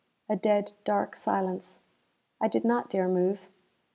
A dead, dark silence. I did not dare move.